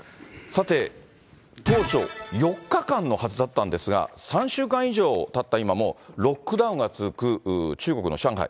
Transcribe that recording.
さて、当初４日間のはずだったんですが、３週間以上たった今も、ロックダウンが続く中国の上海。